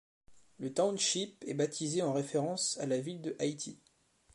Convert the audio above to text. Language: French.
Le township est baptisé en référence à la ville de Hayti.